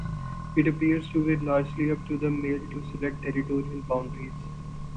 It appears to be largely up to the male to select territorial boundaries.